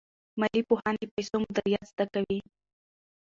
مالي پوهان د پیسو مدیریت زده کوي.